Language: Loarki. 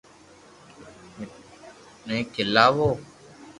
منو کيلاوُ